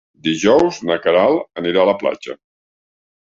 Dijous na Queralt anirà a la platja.